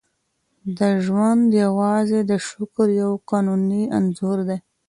دا ژوند یوازې د شکر یو فاني انځور دی.